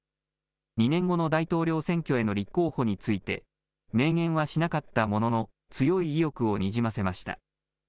２年後の大統領選挙への立候補について、明言はしなかったものの、強い意欲をにじませました。